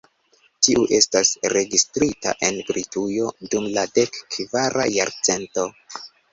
Tiu estas registrita en Britujo dum la dek kvara jarcento.